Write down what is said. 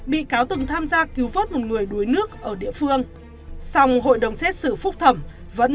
bị cáo từng tham gia cứu vớt một người đuối nước ở địa phương xong hội đồng xét xử phúc thẩm vẫn